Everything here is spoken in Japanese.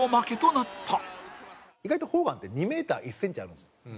意外とホーガンって２メーター１センチあるんですよ。